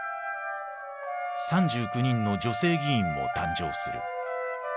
３９人の女性議員も誕生する。